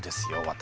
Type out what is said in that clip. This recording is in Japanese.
私。